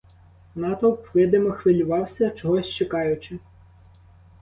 Натовп видимо хвилювався, чогось чекаючи.